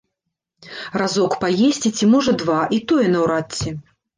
Разок паесці, ці можа два, і тое, наўрад ці.